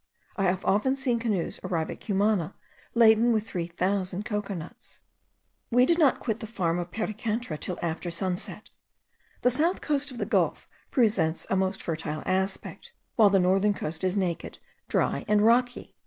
I have often seen canoes arrive at Cumana laden with 3000 cocoa nuts. We did not quit the farm of Pericantral till after sunset. The south coast of the gulf presents a most fertile aspect, while the northern coast is naked, dry, and rocky.